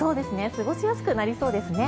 過ごしやすくなりそうですね。